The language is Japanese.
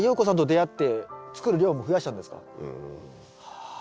はあ。